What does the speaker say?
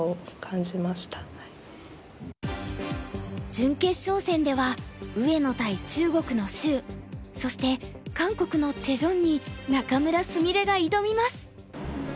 準決勝戦では上野対中国の周そして韓国のチェ・ジョンに仲邑菫が挑みます。